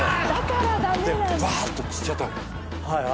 でばーっと散っちゃった。